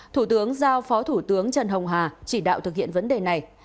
thủ tướng giao phó thủ tướng trần hồng hà chỉ đạo thực hiện vấn đề này